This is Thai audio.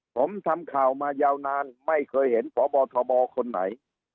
ผมทำข่าวมายาวนานไม่เคยเห็นพบทบคนไหน